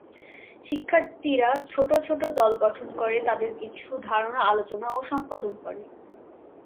শিক্ষার্থীরা ছোট ছোট দল গঠন করে তাদের কিছু ধারণা আলোচনা ও সম্পাদন করে।